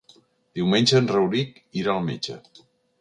Diumenge en Rauric irà al metge.